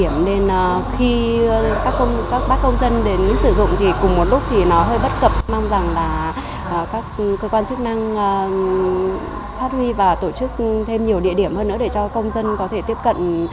mong rằng là các cơ quan chức năng phát huy và tổ chức thêm nhiều địa điểm hơn nữa để cho công dân có thể tiếp cận